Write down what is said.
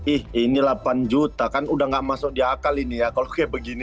ih ini delapan juta kan udah gak masuk di akal ini ya kalau kayak begini